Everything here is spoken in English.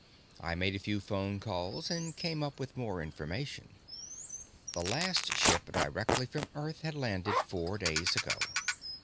I made a few phone calls and came up with more information. The last ship directly from Earth had landed four days ago.